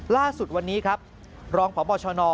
ล่าสุดวันนี้ครับรองพบชน